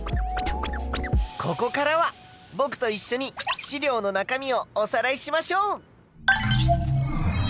ここからはぼくといっしょに資料の中身をおさらいしましょう！